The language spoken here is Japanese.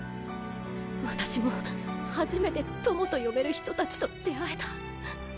私も初めて友と呼べる人たちと出会えた。